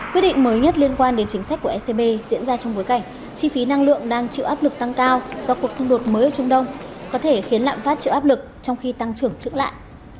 quyết định mới nhất liên quan đến chính sách của ecb diễn ra trong bối cảnh chi phí năng lượng đang chịu áp lực tăng cao do cuộc xung đột mới ở trung đông có thể khiến lạm phát chịu áp lực trong khi tăng trưởng trưởng lại